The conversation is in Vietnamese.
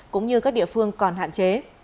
cũng như các địa phương còn hạn chế